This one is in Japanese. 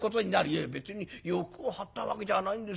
「いや別に欲を張ったわけじゃないんですよ。